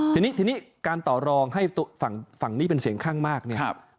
ทีนี้ทีนี้การต่อรองให้ฝั่งนี้เป็นเสียงข้างมากเนี่ย